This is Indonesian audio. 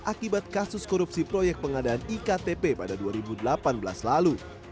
akibat kasus korupsi proyek pengadaan iktp pada dua ribu delapan belas lalu